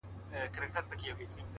مثبت لید افقونه پراخوي؛